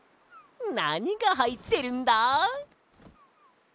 なにがはいってるんだ？